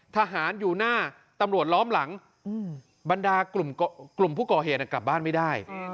ทหารอยู่หน้าตำรวจล้อมหลังบรรดากลุ่มผู้ก่อเหตุกลับบ้านไม่ได้